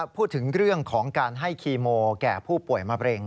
พูดถึงเรื่องของการให้คีโมแก่ผู้ป่วยมะเร็ง